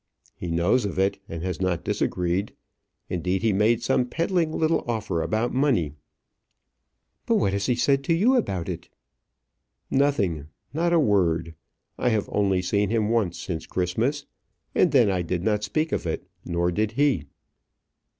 "He knows of it, and has not disagreed. Indeed, he made some peddling little offer about money." "But what has he said to you about it?" "Nothing, not a word. I have only seen him once since Christmas, and then I did not speak of it; nor did he."